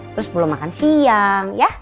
terus belum makan siang ya